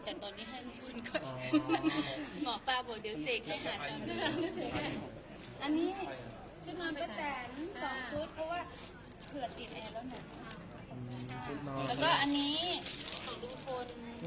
ภะวันโดเตียงภะวัสุทธิ์ภะพังภาราภรรพรุทธิ์ภะพันธ์ภะวัสุทธิ์ภะวันโดเตียง